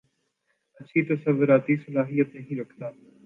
اچھی تصوارتی صلاحیت نہیں رکھتا